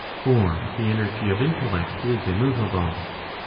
For the energy of intellect is immoveable.